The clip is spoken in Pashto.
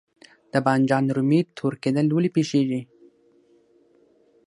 د بانجان رومي تور کیدل ولې پیښیږي؟